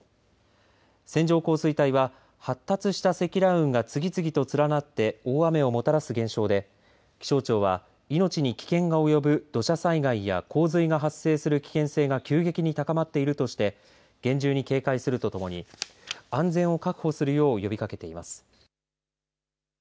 線状降水帯は発達した積乱雲が次々と連なって大雨をもたらす現象で気象庁は命に危険が及ぶ土砂災害や洪水が発生する危険性が急激に高まっているとして厳重に警戒するとともに安全を確保するよう呼びかけています。